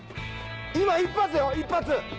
今一発だよ一発！